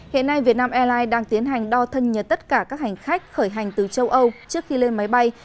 hiện nay việt nam airlines đang tiến hành đo thân nhật tất cả các hành khách khởi hành từ châu âu trước khi lên máy bay